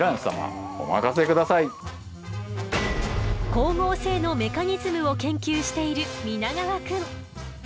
光合成のメカニズムを研究している皆川くん。